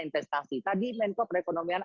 investasi tadi mentor perekonomian